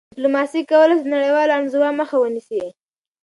ډیپلوماسي کولای سي د نړیوالي انزوا مخه ونیسي..